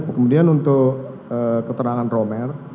kemudian untuk keterangan romer